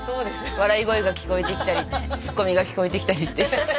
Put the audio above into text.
笑い声が聞こえてきたりツッコミが聞こえてきたりして。